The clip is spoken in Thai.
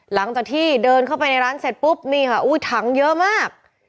หลังจากที่เดินเข้าไปในร้านเสร็จปุ๊บนี่ค่ะอุ้ยถังเยอะมาก